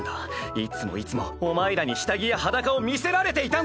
いつもいつもお前らに下着や裸を見せられていたんだな。